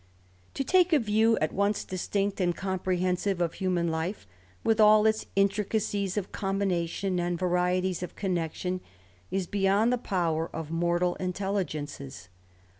To take a view at once distinct and comprehensive of human life, with all its intricacies of combination, and varieties of connexion, is beyond the power of mortal intelligences.